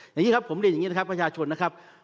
อย่างนี้ครับผมเรียนอย่างนี้นะครับประชาชนนะครับ